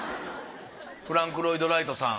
フランク・ロイド・ライトさん